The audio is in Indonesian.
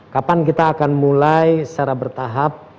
kapan kita akan mulai secara bertahap